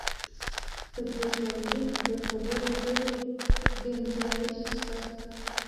په دې ژوندلیک د خبرو ډېر ګنجایش شته.